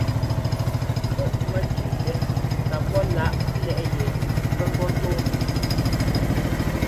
Mbúꞌmɛtúutɛ ka pɔ́ láꞌ lɛ́ꞌ yɛ pɛ́ ḿbɔ́ ńtɔɔnɛ zʉꞌ.